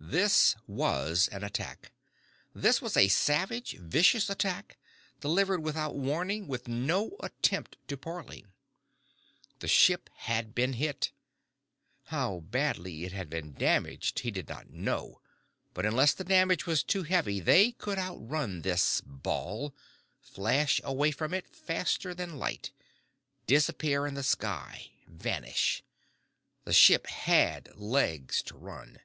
This was an attack. This was a savage, vicious attack, delivered without warning, with no attempt to parley. The ship had been hit. How badly it had been damaged he did not know. But unless the damage was too heavy they could outrun this ball, flash away from it faster than light, disappear in the sky, vanish. The ship had legs to run.